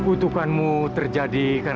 seharusnya kamu bertanya pada saya